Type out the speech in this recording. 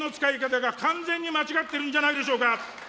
税金の使い方が完全に間違っているんではないでしょうか。